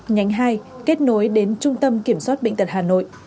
nhánh hai kết nối đến trung tâm kiểm soát bệnh tật hà nội